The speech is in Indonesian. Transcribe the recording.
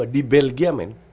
di belgia men